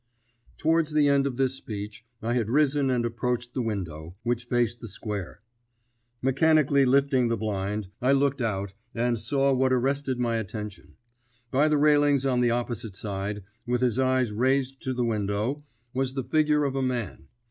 Towards the end of this speech I had risen and approached the window, which faced the square. Mechanically lifting the blind, I looked out, and saw what arrested my attention. By the railings on the opposite side, with his eyes raised to the window, was the figure of a man.